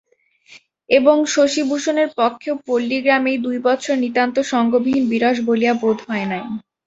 এবং শশিভূষণের পক্ষেও পল্লীগ্রাম এই দুই বৎসর নিতান্ত সঙ্গবিহীন বিরস বলিয়া বোধ হয় নাই।